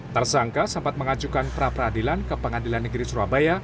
tersangka sempat mengajukan pra peradilan ke pengadilan negeri surabaya